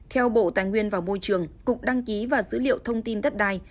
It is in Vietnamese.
theo bộ tài nguyên và môi trường cục đăng ký và dữ liệu thông tin đất đai